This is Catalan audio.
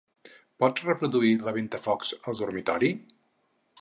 Pots reproduir "La ventafocs" al dormitori?